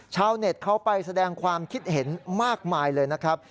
ชาวเน็ตเขาไปแสดงความคิดเห็นมากมายเลยนะครับ